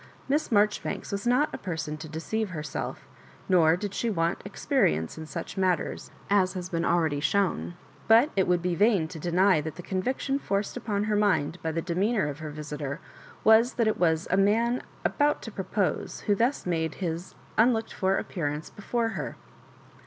Miss Marjori banks was not a person to deceive herself nor did she want experience In such matters, as has been already shown ; but it would be vain to deny that the conviction forced upon her mind by the demeanour of her visitor was that it was a man about to propose who thus made his un looked for appearance before her.